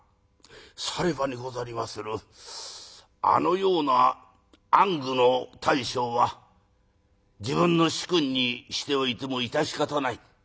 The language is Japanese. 「さればにござりまする『あのような暗愚の大将は自分の主君にしておいても致し方ない。